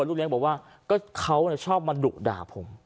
ลูกเลี้ยงบอกว่าก็เขาชอบมาดุด่าผม